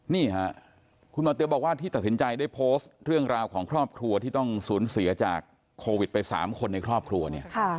นี่ค่ะคุณหมอเตี๋ยบอกว่าที่ตัดสินใจได้โพสต์เรื่องราวของครอบครัวที่ต้องสูญเสียจากโควิดไป๓คนในครอบครัวเนี่ย